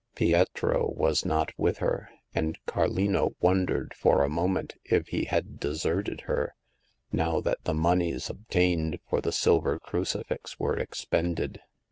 Pietro was not with her, and Carlino wondered for a moment if he had deserted her, now that the moneys obtained for the silver crucifix were ex pended.